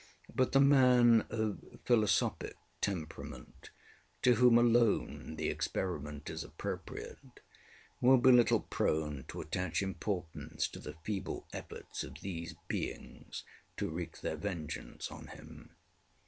But the man of philosophic temperamentŌĆöto whom alone the experiment is appropriateŌĆöwill be little prone to attach importance to the feeble efforts of these beings to wreak their vengeance on him.